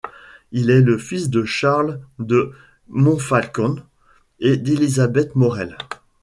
Il est le fils de Charles de Montfalcon et d'Elisabeth Morel.